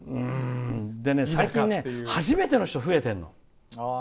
最近、初めての人増えてるの。